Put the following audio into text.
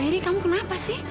ri kamu kenapa sih